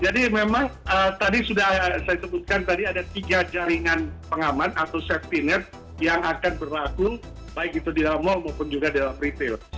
jadi memang tadi sudah saya sebutkan tadi ada tiga jaringan pengaman atau safety net yang akan berlaku baik itu di dalam mall maupun juga di dalam retail